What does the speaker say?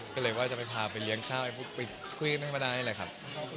ก็เลยว่าจะไปพาไปเลี้ยงข้าวไปคุยกันให้มาได้เลยครับ